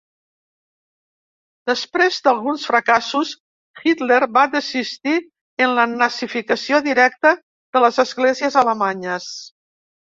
Després d'alguns fracassos, Hitler va desistir en la nazificació directa de les Esglésies Alemanyes.